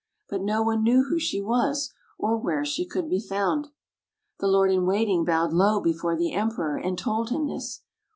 But no one knew who she was, or where she could be found. The lord in waiting bowed low before the Emperor, and told him this.